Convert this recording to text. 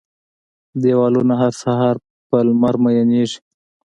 دیوالونه، هر سهار په لمر میینیږې